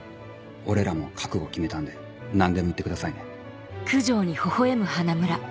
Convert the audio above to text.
俺らも覚悟決めたんで何でも言ってくださいね。